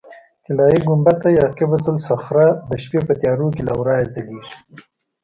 طلایي ګنبده یا قبة الصخره د شپې په تیاره کې له ورایه ځلېږي.